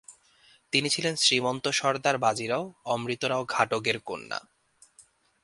তিনি ছিলেন শ্রীমন্ত সর্দার বাজিরাও অমৃতরাও ঘাটগের কন্যা।